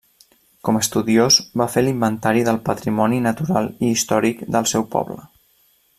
Com estudiós va fer l'inventari del patrimoni natural i històric del seu poble.